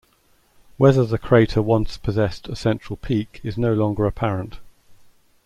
Whether the crater once possessed a central peak is no longer apparent.